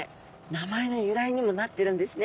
名前の由来にもなってるんですね！